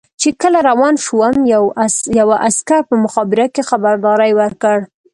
چې کله روان شوم یوه عسکر په مخابره کې خبرداری ورکړ.